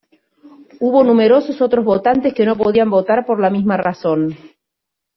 Hubo numerosos otros votantes que no podían votar por la misma razón.